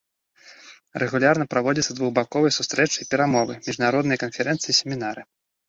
Рэгулярна праводзяцца двухбаковыя сустрэчы і перамовы, міжнародныя канферэнцыі і семінары.